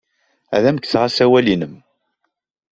Ad am-kkseɣ asawal-nnem.